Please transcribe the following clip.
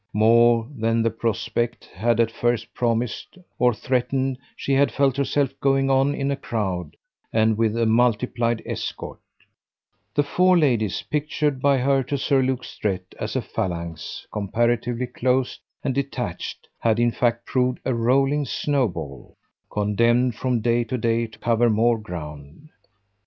More than the prospect had at first promised or threatened she had felt herself going on in a crowd and with a multiplied escort; the four ladies pictured by her to Sir Luke Strett as a phalanx comparatively closed and detached had in fact proved a rolling snowball, condemned from day to day to cover more ground.